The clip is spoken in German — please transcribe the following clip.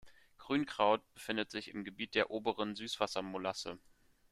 Grünkraut befindet sich im Gebiet der "Oberen Süßwassermolasse".